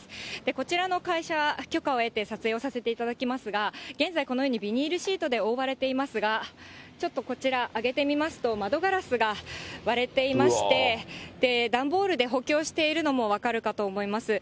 こちらの会社、許可を得て撮影をさせていただきますが、現在、このようにビニールシートで覆われていますが、ちょっとこちら上げてみますと、窓ガラスが割れていまして、段ボールで補強しているのも分かるかと思います。